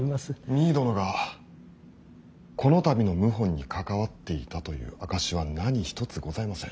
実衣殿がこの度の謀反に関わっていたという証しは何一つございません。